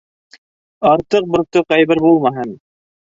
Артыҡ-бортоҡ әйбер булмаһын.